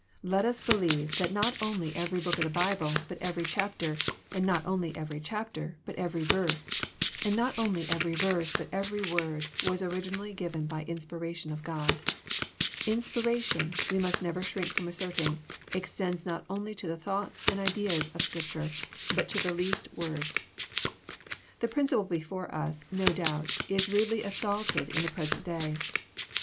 Letns believe that not only every book of the Bible, but every chapter, — and not only every chapter, but every verse,— and not only every verse, but every word, was originally given by inspiration of God. Inspiration, we must never shrink from asserting, extends not only to the thoughts and ideas of Scripture, but to the least words. The principle before us, no doubt, is rudely assaulted in the present day.